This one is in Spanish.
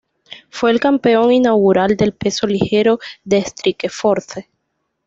Fue el campeón inaugural de peso ligero de Strikeforce.